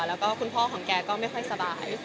แล้วก็คุณพ่อของแกก็ไม่ค่อยสบาย